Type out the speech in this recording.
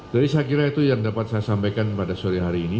jadi saya kira itu yang dapat saya sampaikan pada sore hari ini